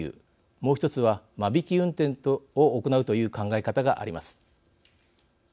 もう１つは間引き運転を行うという考え方があります。